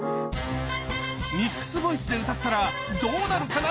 ミックスボイスで歌ったらどうなるかな？